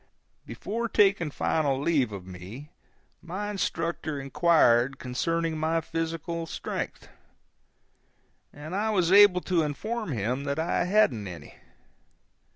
Before taking final leave of me, my instructor inquired concerning my physical strength, and I was able to inform him that I hadn't any.